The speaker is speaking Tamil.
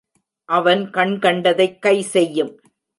அவன் கண் கண்டதைக் கை செய்யும்.